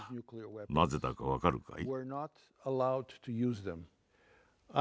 なぜだか分かるかい？